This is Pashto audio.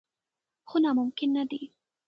خو ناممکن نه دي.